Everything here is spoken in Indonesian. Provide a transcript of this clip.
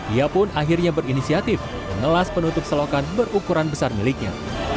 ia pun akhirnya berinisiatif mengelas penutup selokan berukuran besar miliknya